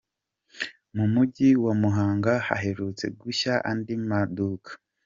Mu mujyi wa Muhanga haherutse gushya andi maduka.